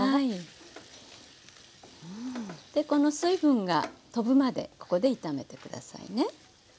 この水分が飛ぶまでここで炒めて下さいね。